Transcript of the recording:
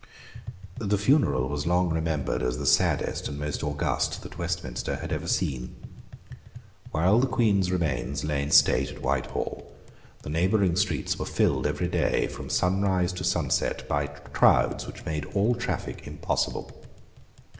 The funeral was long remembered as the saddest and most august that Westminster had ever seen. While the Queen's remains lay in state at Whitehall, the neighbouring streets were filled every day, from sunrise to sunset, by crowds which made all traffic impossible.